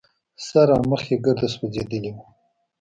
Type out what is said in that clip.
سر او مخ يې ګرده سوځېدلي وو.